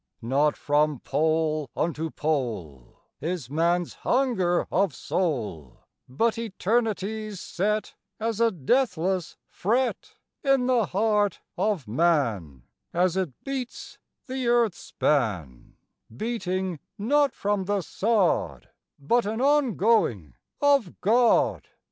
IV. Not from pole unto pole Is man's hunger of soul, But eternity's set As a deathless fret In the heart of man As it beats the earth span, Beating not from the sod, But an ongoing of God!